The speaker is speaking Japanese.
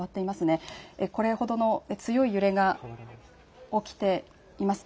これほどの強い揺れが起きています。